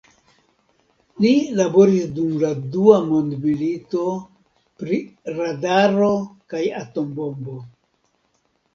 Li laboris dum la dua mondmilito pri radaro kaj atombombo.